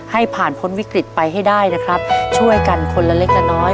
ให้ผ่านพ้นวิกฤตไปให้ได้นะครับช่วยกันคนละเล็กละน้อย